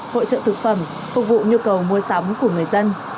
hội trợ thực phẩm phục vụ nhu cầu mua sắm của người dân